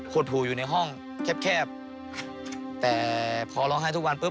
หูอยู่ในห้องแคบแคบแต่พอร้องไห้ทุกวันปุ๊